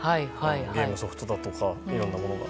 ゲームソフトだとかいろいろなものが。